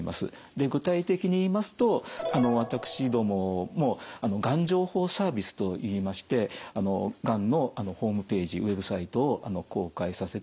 具体的に言いますと私どももがん情報サービスといいましてがんのホームページＷＥＢサイトを公開させていただいております。